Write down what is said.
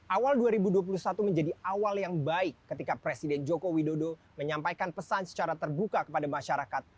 awal dua ribu dua puluh satu menjadi awal yang baik ketika presiden joko widodo menyampaikan pesan secara terbuka kepada masyarakat